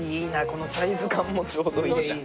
このサイズ感もちょうどいいな。